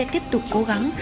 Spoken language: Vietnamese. tiếp tục cố gắng